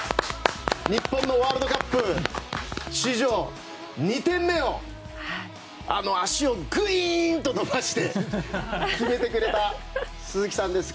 日本のワールドカップ史上２点目をあの足をぐいっと伸ばして決めてくれた鈴木さんです。